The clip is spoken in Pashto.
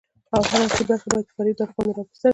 ، او هر اصلي برخه بيا په فرعي برخو باندې را څرخي.